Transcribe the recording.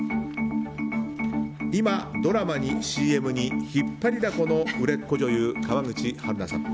今、ドラマにＣＭに引っ張りだこの売れっ子女優・川口春奈さん。